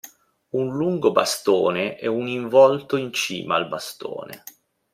Un lungo bastone e un involto in cima al bastone.